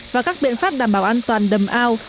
và các biện pháp đảm bảo an toàn đầm ao